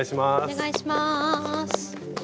お願いします。